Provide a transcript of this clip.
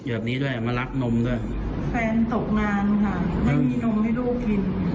แบบนี้ด้วยมารักนมด้วยแฟนตกงานค่ะไม่มีนมให้ลูกกิน